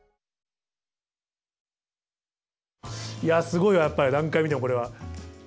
いやすごいわやっぱり何回見てもこれは。